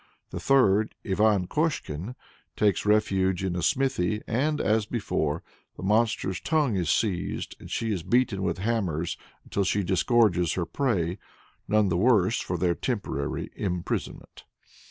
The third, Ivan Koshkin, takes refuge in a smithy, and, as before, the monster's tongue is seized, and she is beaten with hammers until she disgorges her prey, none the worse for their temporary imprisonment.